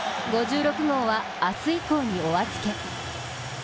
５６号は明日以降にお預け。